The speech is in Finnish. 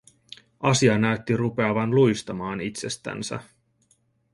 Asia näytti rupeavan luistamaan itsestänsä.